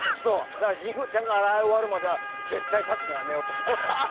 信五ちゃんが洗い終わるまでは絶対立つのやめようと思って。